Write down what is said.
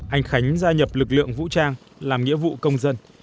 anh khánh gia nhập lực lượng vũ trang làm nghĩa vụ công dân